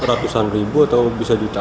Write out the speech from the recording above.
ratusan ribu atau bisa juta